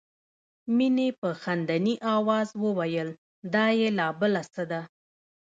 مينې په خندني آواز وویل دا یې لا بله څه ده